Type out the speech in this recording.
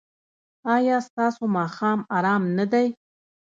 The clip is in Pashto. ایا ستاسو ماښام ارام نه دی؟